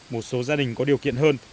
một số gia đình có điều kiện hơn